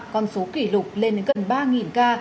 còn số kỷ lục lên đến gần ba ca